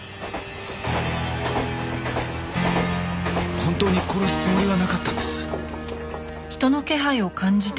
「本当に殺すつもりはなかったんです」